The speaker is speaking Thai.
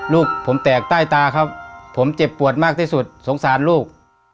ลูกผมแตกใต้ตาครับผมเจ็บปวดมากที่สุดสงสารลูก